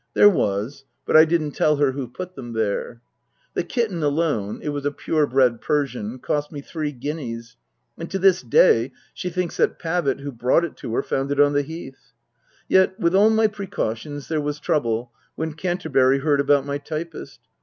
There was. But I didn't tell her who put them there. The kitten alone (it was a pure bred Persian) cost me three guineas ; and to this day she thinks that Pavitt, who brought it to her, found it on the Heath. Yet, with all my precautions, there was trouble when Canterbury heard about my typist.